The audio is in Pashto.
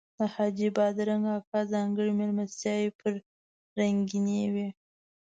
د حاجي بادرنګ اکا ځانګړي میلمستیاوې پرې رنګینې وې.